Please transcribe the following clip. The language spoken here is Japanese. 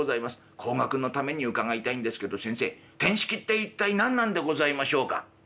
後学のために伺いたいんですけど先生てんしきって一体何なんでございましょうか？」。